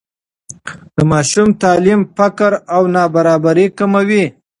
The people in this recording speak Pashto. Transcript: د ماشوم تعلیم فقر او نابرابري کموي.